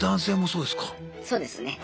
そうですね。